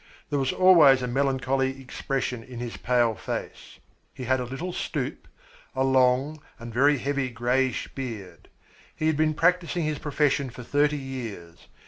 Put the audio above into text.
There was always a melancholy expression in his pale face. He had a little stoop, a long and very heavy greyish beard. He had been practising his profession for thirty years.